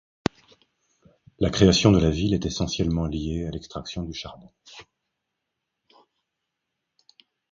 La création de la ville est essentiellement liée à l'extraction du charbon.